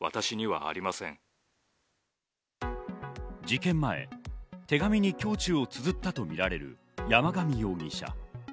事件前、手紙に胸中をつづったとみられる山上容疑者。